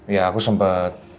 ya aku sempet